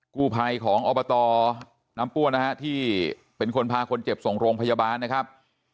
กู้ภัยของอบตน้ำปั้วนะฮะที่เป็นคนพาคนเจ็บส่งโรงพยาบาลนะครับ